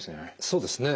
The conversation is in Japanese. そうですね。